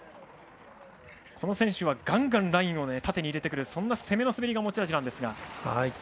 この選手はガンガンラインを縦に入れてくる攻めの滑りが持ち味なんですが。